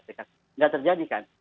tidak terjadi kan